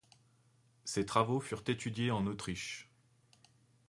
Ses travaux furent étudiés en Autriche.